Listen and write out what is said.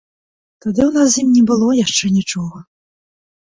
Тады ў нас з ім не было яшчэ нічога.